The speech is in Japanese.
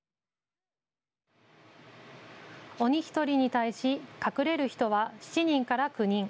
鬼１人に対し隠れる人は７人から９人。